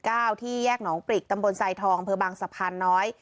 ที่แยกหนองปริกตำบลไซทองอำเภอบางสะพานน้อย